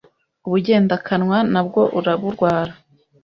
Ubugendakanwa nabwo uraburwara